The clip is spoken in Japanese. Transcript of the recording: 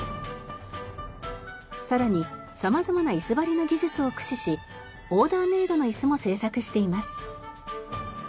さらに様々な椅子張りの技術を駆使しオーダーメイドの椅子も制作しています。